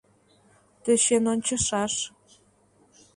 — Тӧчен ончышаш.